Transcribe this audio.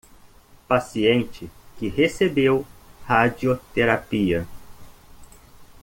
Paciente que recebeu radioterapia